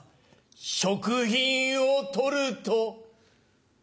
食品を取ると。